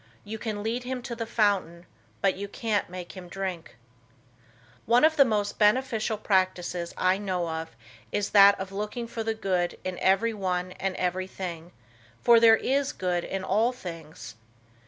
"You can lead him to the fountain, but you can't make him drink." One of the most beneficial practices I know of is that of looking for the good in everyone and everything, for there is good in all things.